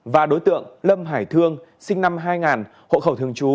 và đối tượng lâm hải thương sinh năm hai nghìn hộ khẩu thường trú